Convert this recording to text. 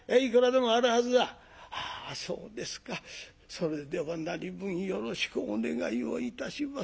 それでは何分よろしくお願いをいたします。